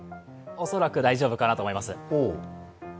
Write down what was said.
恐らく大丈夫かなと思います。